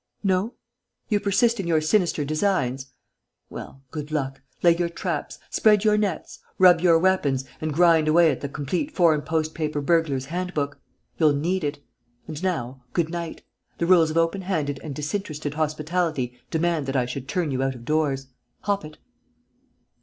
No? You persist in your sinister designs? Well, good luck, lay your traps, spread your nets, rub up your weapons and grind away at the Complete Foreign post paper Burglar's Handbook. You'll need it. And now, good night. The rules of open handed and disinterested hospitality demand that I should turn you out of doors. Hop it!"